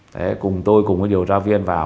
đấy cùng tôi cùng các điều tra viên vào